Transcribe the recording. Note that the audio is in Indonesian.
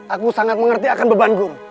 aku sangat mengerti akan beban guru